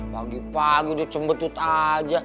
pagi pagi dia cembetut aja